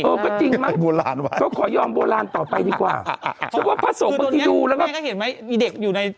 เออก็จริงมั้งขอยอมโบราณต่อไปดีกว่าใช่ป่ะพระสงค์บางทีดูแล้วก็คือตอนนี้คุณแม่ก็เห็นไหม